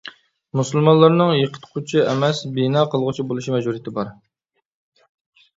مۇسۇلمانلارنىڭ «يىقىتقۇچى» ئەمەس، «بىنا قىلغۇچى» بولۇش مەجبۇرىيىتى بار.